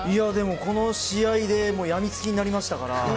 この試合でやみつきになりましたから。